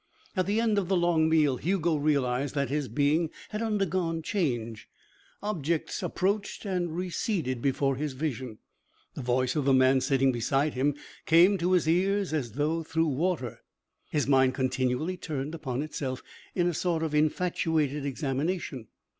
At the end of the long meal Hugo realized that his being had undergone change. Objects approached and receded before his vision. The voice of the man sitting beside him came to his ears as if through water. His mind continually turned upon itself in a sort of infatuated examination.